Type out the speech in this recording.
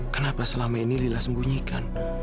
kenapa selama ini lila sembunyikan